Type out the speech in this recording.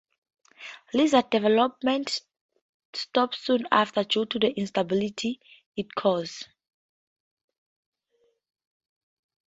"Lizard" development stopped soon after, due to the instability it caused.